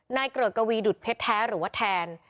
นายเกลือกกวีย์ดุดเพชรแท้หรือว่าแทน